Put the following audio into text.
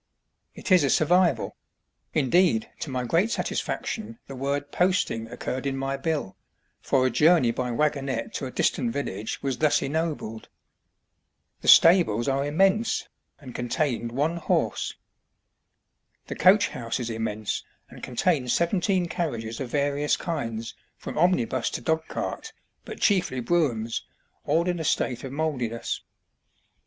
It is a survival; indeed, to my great satisfaction, the word "posting" occurred in my bill, for a journey by wagonette to a distant village was thus ennobled. The stables are immense, and contained one horse. The coach house is immense, and contained seventeen carriages of various kinds, from omnibus to dogcart, but chiefly broughams, all in a state of mouldiness.